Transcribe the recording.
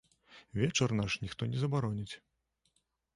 Вечар наш, ніхто не забароніць.